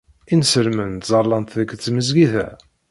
Inselmen ttẓallant deg tmesgida.